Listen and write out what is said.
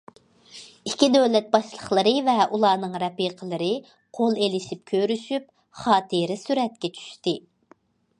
ئىككى دۆلەت باشلىقلىرى ۋە ئۇلارنىڭ رەپىقىلىرى قول ئېلىشىپ كۆرۈشۈپ، خاتىرە سۈرەتكە چۈشتى.